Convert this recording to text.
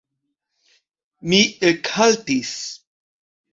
Mi ekhaltis.